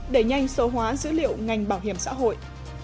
để nhanh số hóa dữ liệu ngành bảo hiểm xã hội